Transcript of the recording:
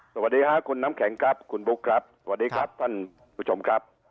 สวัสดีค่ะคุณน้ำแข็งครับคุณบุ๊คครับสวัสดีครับท่านผู้ชมครับ